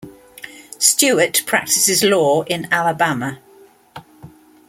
Stewart practices law in Alabama.